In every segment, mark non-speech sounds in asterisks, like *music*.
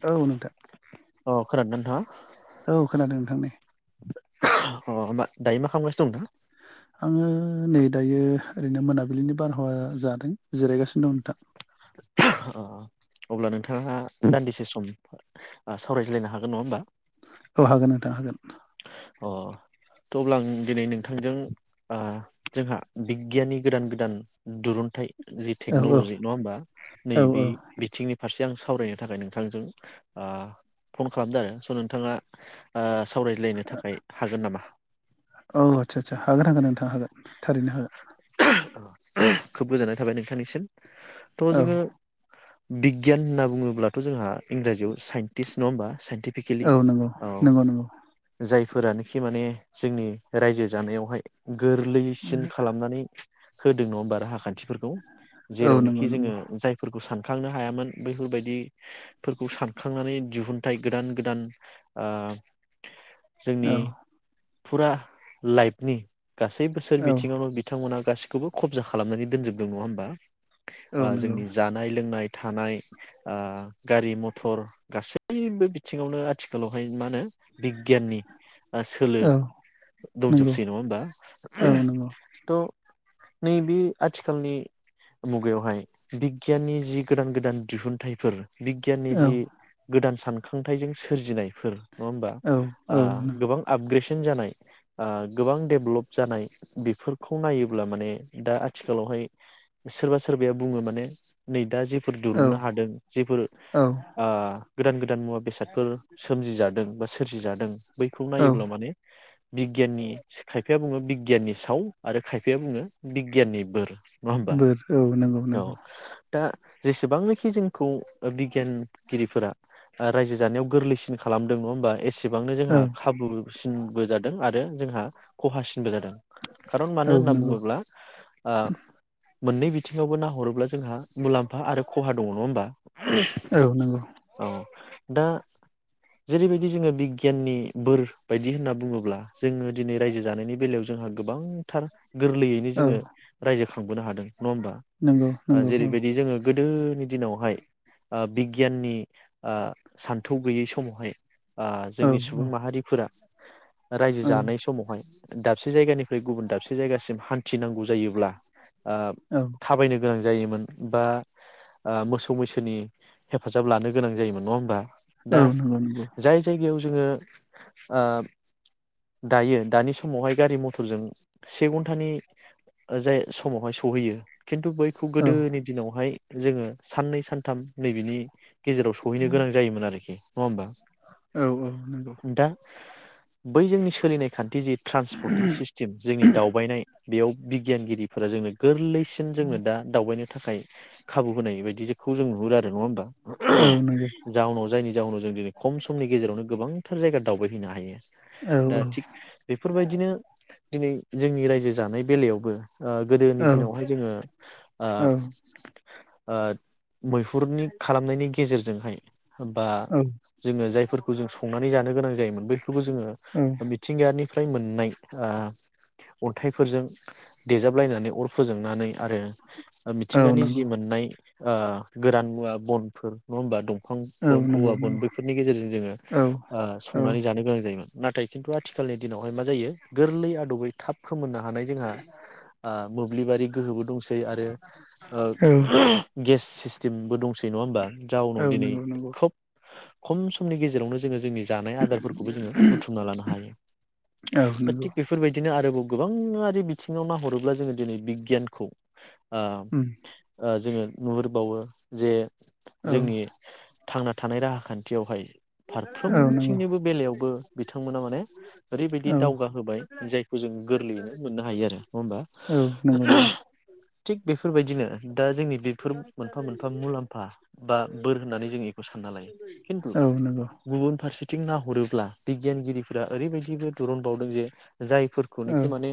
औ नोंथां अ खोनादोंना नों हा औ खोनादों नोंथांनि अ बा दायो मा खालामगासिनो दं आङो नै दायो ओरैनो मोनाबिलिनि बारहावा जादों जिरायगासिनो दं नोंथां। अ अब्ला नोंथां थांहा दान्दिसे सम ओ सावरायज्लायनो हागोन नङा होमबा औ हागोन नोंथां हागोन। अ थ' अब्ला आं दिनै नोंथांजों ओ जोंहा बिगियाननि गोदान गोदान दुरुन्थाइ जि औ टेक्न'ल'जि नङा होमबा औ औ नैबे बिथिंनि फारसे आं स सावरायनो थाखाय नोंथांजों ओ फन खालामदो आरो स' नोंथाङा ओ सावरायज्लायनो थाखाय हागोन नामा? ओ औ आचसा आचसा हागोन हागोन नोंथां हागोन थारैनो हागोन। खोब गोजोननाय थाबाय नोंथांनिसिम। थ' औ जोङो बिगियान होनना बुङोब्लाथ' जोंहा इंराजियाव साइन्टिस्ट नङा होमबा? *unintelligible* औ नंगौ औ नंगौ नंगौ। जायफोरानोखि माने जोंनि रायजो जानायावहाय गोरलैसिन खालामनानै होदों नङा होमबा राहाखा? न्थिफोरखौ औ नंगौ जेरावनोखि नंगौ जोङो जायफोरखौ सान सानखांनो हायामोन बैफोरबायदि फोरखौ सानखांनानै दिहुनथाइ गोदान गोदान ओ - औ जोंनि फुरा लाइफनि गासै बोसोर औ बिथिङावल' बिथांमोना गासै खौबो खबजा खालामनानै दोनजोबदों नङा होमबा? औ ओ- नंगौ जोंनि जानाय लोंनाय थानाय ओ- गारि मथर गासैबो बिथिङावनो आथिखालावहाय मा होनो बिगियाननि ओ- सोलो औ नंगौ दंजोबसै नङा होमबा औ नंगौ थ' नैबे आथिखालनि मुगायावहाय बिगियाननि जि गोदान गोदान दिहुनथाइफोर बिगियाननि औ जि गोदान सान खांथाइजों सोरजिनाय। फोर नङा होमबा? औ औ नंगौ। बांजों जानाय ओ- गोबां देभेलप जानाय बिफोरखौ नायोब्ला माने दा आथिखालावहाय सोरबा सोरबाया बुङो माने नै दा जोब औ दुरुननो हादों जेफोर औ ओ- गोदान गोदान मुवा बेसादफोर सोमजिजादों बा सोरजिजादों बैखौ औ नायोब्ला माने बिगियाननि खायफाया बुङो बिग बिगियाननि साव आरो खायफाया बुङो बिगियाननि बोर। नङा होमबा बोर औ नंगौ औ नंगौ। दा जेसेबांनोखि जोंखौ ओ-बिगियानगिरिफोरा ओ- रायजो जानायाव गोरलैसिन खालामदों नङा होनबा? एसेबांनो औ जोंहा खाबुसिनबो जादों आरो जोंहा खहासि नबो जादों खारन मानो औ होनना नंगौ बुङोब्ला ओ - मोननै बिथिङावबो नाहरोब्ला जोंहा मुलाम्फ बा आरो खहा दङ नङा होमबा औ नंगौ औ दा जेरैबायदि जोङो बिगियाननि बोर बायदि होनना बुङोब्ला जोङो दिनै रायजो जानायनि बेलायाव जोंहा गोबांथार गोरलैयैनो औ जोङो रायजो खांबोनो हादों नङा होमबा नंगौ ओ नंगौ औ जेरैबायदि जोङो गोदोनि दिनावहाय ओ बिगियाननि ओ सान्थौ गैयै समावहाय ओ औ जोंनि सुबुं माहारिफोरा रायजो औ जानाय समावहाय दाबसे जायगानिफ्राय गुबुन दाबसे जायगासिम हान्थिनांगौ जायोब्ला ओ औ थाबायनो गोनां जायोमोन बा ओ मोसौ मैसोनि हेफाजाब लानो गोनां जायोमोन नङा होमबा दा औ नंगौ नंगौ जायगायाव जोङो दायो दानि समावहाय गारि मथरजों से घन्टानि जाय समावहाय सहैयो खिन्थु बैखौ औ औ गोदोनि दिनावहाय जोङो साननै सानथाम नैबेनि गेजेराव सहैनो गोनां जायोमोन आरोखि नङा होनबा? औ औ नंगौ बै जोंनि सोलिनाय खान थि जि ट्रान्सपर्टिं सिस्टेम जोंनि दावबायनाय बेयाव बिगियानगिरिफोरा जोंनो गोरलै सिन जोंनो दा दावबायनो थाखाय खाबु होनाय बायदि जों खौ जों नुहुरो आरो नङा होमबा औ नंगौ जाउनाव जायनि जाउनाव जों दिनै खम समनि गेजेरावनो गोबां फोर जायगा दावबायहैनो हायो औ दा थिग बेफोरबायदिनो दिनै जोंनि रायजो जानाय बेलायावबो ओ गोदोनि औ दिनावहाय जोङो ओ औ आ मैहुरनि खालामनायनि गेजेरजों फाय होमबा औ जोंङो जायफोरखौ जों संनानै जानो गोनां जायोमोन बैफोर जोंङो औ मिथिंगायारि मोननाय अन्थाइफोरजों देजाबलायनानै अर फोजोंनानै आरो औ मिथिंगानि जि नंगौ मोननाय ओ गोदान औ नंगौ नंगौ *unintelligible* *unintelligible* फोरनि गेजेरजों जोंङो औ औ संनानै जानो गोनां जायोमोन नाथाय खिन्थु आथिखालनि दिनावहाय मा जायो गोरलै आदबयै थाब फोमोननो हानाय जोंहा मोब्लिबारि गोहोबो दंसै आरो औ गेस जेबो दं सै नंङा होमबा औ जाउनाव दिनै नंगौ नंगौ खोब खम समनि गेजेरावनो जोंङो जोंनि जानाय आदारफोरखौबो जोंङो बुथुमना लानो हायो औ दा नंगौ थिग बेफोरबायदिनो आरोबाव गोबाङआारि बिथिंङाव नाहरोब्ला जोंङो दिनै बिगियानखौ उम ओ जोंङो नुहुरबावो जे औ जोंनि थांना थानाय राहाखान्थि थियावहाय औ नंगौ फारफ्रोमथिंनिबो बेलायावबो बिथांमोना माने औ नंगौ औ नंगौ औ नंगौ औ नंगौ औ नंगौ औ ओरैबायदि दावग होबाय जायखौ जों गोरलैयैनो मोननो हायो आरो नंङा होमबा थिग बेफोरबायदिनो दा जोंनि बेफोर मोनफा मोनफा मुलाम्फा बा बोर होननानै जों बेखौ सानना लायो गुबुन फारसे बिं नाहरोब्ला बिगियानगिरिफोरा ओरैबायदिबो दुरुनबावदों जे जायफोरखौनोखि माने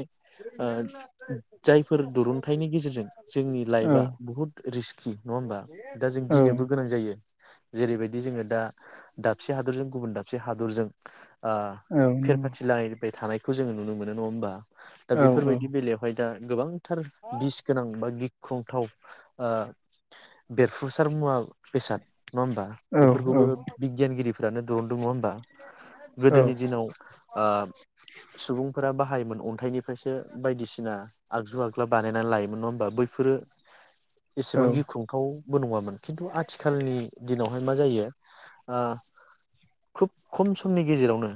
जायफोर दिरुनथाइनि गेजेरजों जोंनि लाइफआ बुहुत रिस्कि नंङा होमबा दा जों गिनोबो गोनां जायो जेरैबायदि जोंङो दा दाबसे हादरजों गुबुन दं से हादरजों ओ खेरफाथि लाहैबाय थानायखौ जोंङो नुनो मोनो नंङा होमबा दा बेफोरबायदि बेलायावहाय दा ‌गोबां थार बिस गोनां गिख्रं खुंथाव ओ बेरफुसार मुवा बेसाद। नङा होनबा। फोरखौबो बिगियानगिरि *unintelligible* दङ होनबा गोदोनि दिनाव ओ सुबुंफोरा बाहायोमोन अ *unintelligible* खायसे बायदिसिना। आगजु आग्ला बानायनानै लायोमोन नङा होमबा बैफोरो। एसेबां गिख्रंथावबो नङामोन खिन्थु आथिखालनि दिनावहाय मा जायो। ओ खोब खम समनि गेजेरावनो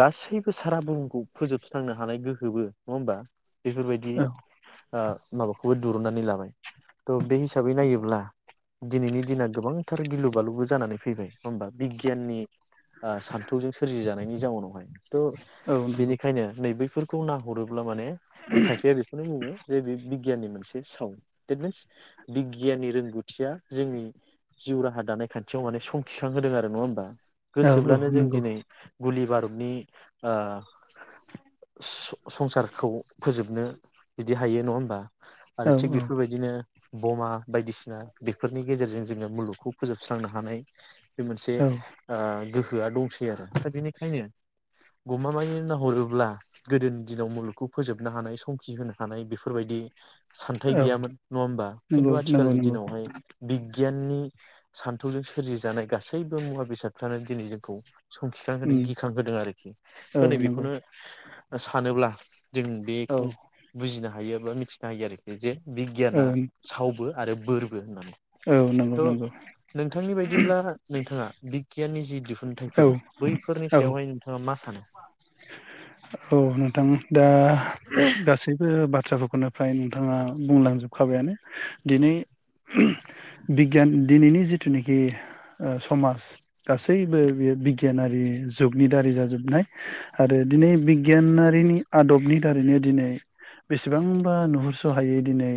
गासैबो सारा बुहुमखौ फोजोबस्रांनो हानाय गोहोबो नङा होनबा? बिफोर बायदि। ओ माबाखौबो दिरुननानै लाबाय। थ' बे हिसाबै नायोब्ला। दिनैनि दिना गोबांथार गिलु बालुबो जानानै फै फैबाय होमबा बिगियाननि ओ सानथौजों सोरजि जानाय। जानायनि जाउनाव। बिनिखायनो नैबे फोरखौ नाहरो ब्ला माने खायफाया बेखौनो बुङो जे बि बिगियाननि मोनसे साव देट मिन्स बिगियाननि रोंगौथिया जोंनि जिउ राहा दानाय खान्थियाव स समखिखांहोदों आरो नङा होमबा? गोसोब्लानो जों दिनै गुलि बारुद नि ओं संसारखौ फोजोबनो बिदि हायो नङा होमबा? आरो थिग बेफोर बायदिनो। बमा बायदिसिना बेफोरनि गेजेरजों जोङो मुलुगखौ फोजोबस्रांनो हानाय। बे मोनसे औ ओ गोहोआ दंसै आरो दा बेनिखायनो गमामायै नाहरोब्ला गोदोनि दिनाव मुलुगखौ फोजोबनो हानाय संखि होनो हानाय बेफोर बायदि सानथाय औ गैयामोन नङा होमबा खिन्थु नंगौ नंगौ आथिखालनि नंगौ दिनावहाय। बिगियाननि सान्थौजों सोरजिजानाय गासैबो मुवा बेसादफ्रानो दिनै जोंखौ संखिखां होदों उम गिखां होदों आरोखि त औ नै नंगौ बेखौनो सानोब्ला जों औ बेखौ बुजिनो हायो। मिथिनो हायो आरो बे जे बिगियाना औ सावबो आरो बोरबो होननानै। औ नंगौ थ' नंगौ। नोंथांनि बायदिब्ला नोंथाङा बिगियाननि जि औ दिहुनथाइफोर बैफोरनि औ सायावहाय नोंथाङा मा सानो? औ नोंथां दा गासैबो बाथ्राफोर खौनो फ्राय नोंथाङा बुंलांजोबखाबायानो। दिनै बिगियान दिनैनि जिथुनाखि समाज गासैबो बे बिगियानारि जुगनि दारै जाजोबनाय आरो दिनै बिगियानारिनि आदबनि दारैनो दिनै बेसेबांबा नुहुरस'हायै दिनै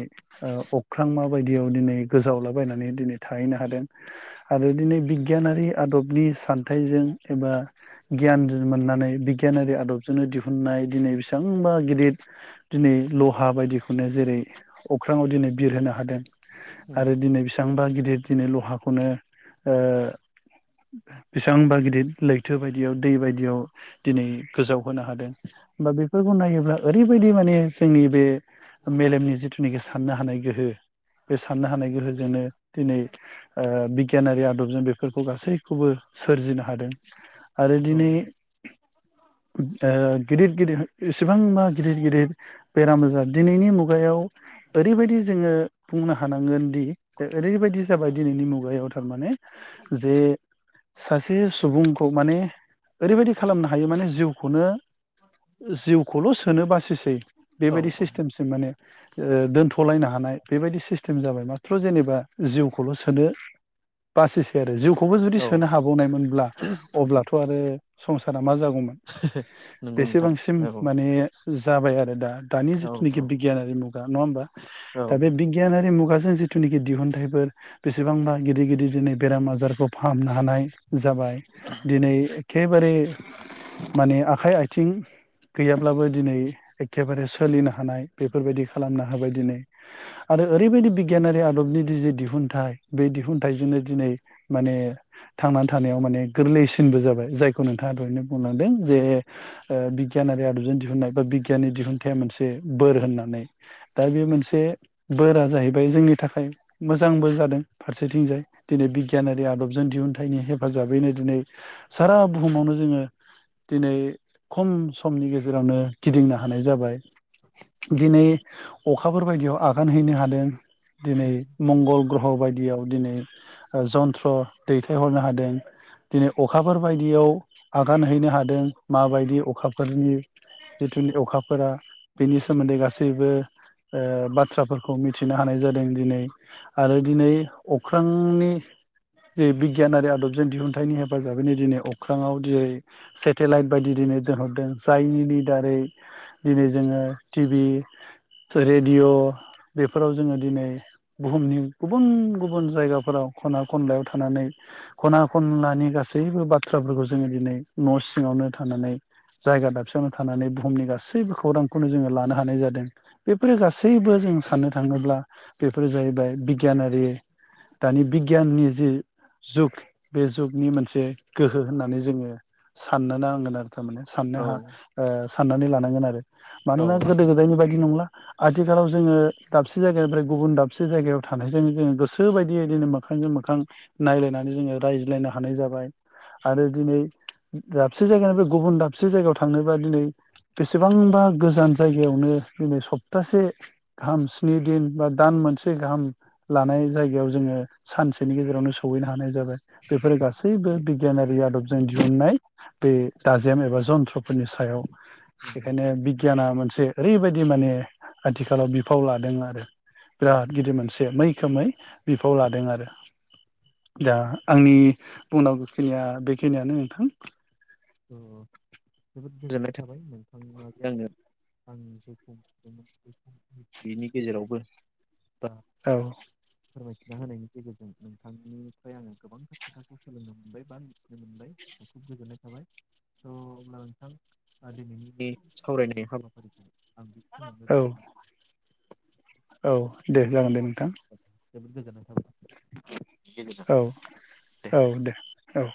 ओ अख्रांमा बायदियाव दिनै गोजावलाबायनानै दिनै थाहैनो हादों आरो दिनै बिगियानारि आदबनि सानथाइजों एबा गियान मोननानै बिगियानारि आ दबजोंनो दिहुननाय दिनै बेसेबांबा गिदिर दिनै लहा बायदिखौनो जेरै अख्राङाव दिनै बिरहोनो हादों। आरो दिनै बेसेबांबा गिदिर दिनै लहाखौनो ओ बेसेबांबा गिदिर लैथो बायदियाव दै बायदियाव दिनै गोजाव होनो हादों बा बेफोरखौ नायोब्ला ओरैबायदि माने जोंनि बे मेलेमनि जिथुनाखि साननो हानाय गोहो बे साननो हानाय गोहोजोंनो दिनै ओ बिगियानारि आदबजों बेफोरखौ गासैखौबो सोरजिनो हादों। आरो औ दिनै ओ गिदिर गिदिर इसेबांबा गिदिर गिदिर बेराम आजार दिनैनि मुगायाव ओरैबायदि जोङो बुंनो हानांगोन दि ओरैबायदि जाबाय दिनैनि मुगायाव थारमाने जे सासे सुबुंखौ माने ओरैबायदि खालामनो हायो माने जिउखौनो जिउखौल' सोनो बासिसै। औ बेबायदि सिस्टेमसिम माने ओ दोनथ'लायनो हानाय बेबायदि सिस्टेम जाबाय माथ्र' जेनेबा जिउखौल' सोनो बासिसै आरो जिउखौ खौबो जुदि औ सोनो हाबावनायमोन ब्ला अब्लाथ' आरो संसारा मा जागौमोन? नंगौ नोंथां बेसेबांसिम औ माने जाबाय आरो दा। दानि औ जिथुनाखि बिगियानारि मु गा नङा होमबा औ दा बे बिगियानारि मुगाजों जिथुनिखि दिहुनथाइफोर बेसेबांबा गिदिर गिदिर दिनै बेराम आजारखौ फाहामनो हानाय जाबाय। दिनै एखेबारे माने आखाइ आथिं गैयाब्लाबो दिनै एखेबारे सोलिनो हानाय बेफोरबायदि खालामनो होबाय दिनै आरो ओरैबायदि बिगियानारि आदबनि दि जे दिहुनथाइ बे दिहुनथाइजोंनो दिनै माने थांनानै थानायाव माने गोरलैसिनबो जाबाय जायखौ नोंथाङा दहायनो बुंलां दों जे ओ बिगियानारि आदबजों दिहुननाय बा बिगियाननि दिहुनथाइया मोनसे बोर होननानै। दा बे मोनसे बोरा जाहैबाय जोंनि थाखाय मोजांबो जादों फारसेथिंजाय दिनै बिगियानारि आदबजों दिहुनथाइनि हेफाजाबैनो दिनै सारा बुहुमावनो जोङो दिनै खम समनि गेजेरावनो गिदिंनो हानाय जाबाय दिनै अखाफोर बायदियाव आगान हैनो हादों। दिनै उम मंगल ग्रह' बाय दियाव दिनै ओ जन्थ्र' दैथायहरनो हादों। दिनै अखाफोर बायदियाव आगान हैनो हा दों माबायदि अखाफोरनि जिथुनि अखाफोरा बेनि सोमोन्दै गासैबो ओ बाथ्राफोरखौ मिथिनो हानाय जादों दिनै आरो दिनै अख्रांनि जे बिगियान आरो आदबजों दिहुनथाइनि हेफाजाबैनो दिनै अख्रांआव दिनै से टेलाइट बायदि दिनै दोनहरदों जायनि दारै दिनै जोङो टि भि रेडिअ' बेफोराव जोङो दिनै बुहुमनि गुबुन गुबुन जायगाफोराव ख'ना खनलायाव थानानै ख'ना खनलानि गासैबो बाथ्राफोरखौ जोङो दिनै न' सिं ङावनो थानानै जायगा दाबसेयावनो थानानै बुहुमनि गासैबो खौरांखौनो जोङो लानो हानाय जादों बेफोरो गासैबो जों साननो थाङोब्ला बेफोरो जाहैबाय बिगियानारि दानि बिगियाननि जि जुग बे जुगनि मोनसे गोहो होननानै जोङो साननो नांगोन आरो थारमाने साननो औ हा ओ साननानै लानांगोन आरो मानोना गोदो गोदायनि बायदि नंला। आथिखालाव जोङो दाबसे जायगानिफ्राय गुबुन दाबसे जायगायाव थानायजों जोङो गोसोबायदियै दिनै मोखांजों मोखां नायलायनानै जोङो रायज्लायनो हानाय जाबाय आरो दिनै दाबसे जायगानिफ्राय गुबुन दाबसे जायगायाव थांनोबा दिनै बेसेबांबा गोजान जायगायावनो दिनै सप्तासे गाहाम स्नि दिन बा दान मोनसे गाहाम लानाय जायगायाव जोङो सानसेनि गेजेरावनो सहैनो हानाय जाबाय बेफोरो गासैबो बिगियानारि आदबजों दिहुननाय बे दाजेम एबा जन्थ्रफोरनि सायाव नंगौ उम बेखायनो बिगियाना मोनसे ओरैबायदि माने आथिखालाव बिफाव लादों आरो बिराद गिदिर मोनसे मै खोमै बिफाव लादों आरो दा आंनि बुंनांगौखिनिया बेखिनियानो नोंथां। स' जोबोद गोजोननाय थाबाय *unintelligible* गेजेरावबो औ फोरमायथिना होनायनि गेजेरजों नोंथांनिफ्राय आङो गोबांथार खोथाखौ सोलोंनो मोनबाय बा मिथिनो मोनबाय खुब गोजोननाय थाबाय। थ' अब्ला नोंथां ओ दिनैनि बे सावरायनाय हाबाफारिखौ आं बेखिनियावनो औ औ दे जागोन दे नों जोबोर गोजोननाय *inaudible* औ औ दे औ